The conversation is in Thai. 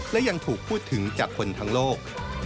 และยังถูกพูดถึงจากคนทั้งโลก